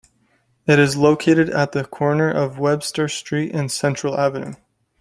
It is located at the corner of Webster Street and Central Avenue.